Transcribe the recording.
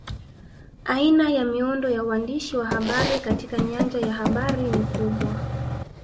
Aina ya miundo ya uandishi wa habari katika nyanja ya habari ni kubwa